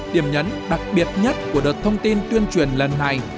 điểm nhấn đặc biệt nhất của đợt thông tin tuyên truyền lần này